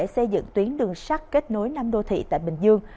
xây dựng tuyến đường sắt kết nối năm đô thị tại bình dương